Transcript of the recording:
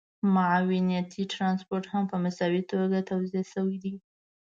معاونيتي ټرانسپورټ هم په مساوي توګه توزیع شوی دی